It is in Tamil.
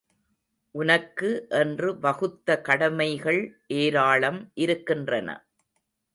உனக்கு என்று வகுத்த கடமைகள் ஏராளம் இருக்கின்றன.